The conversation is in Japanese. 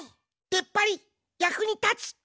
でっぱりやくにたつ！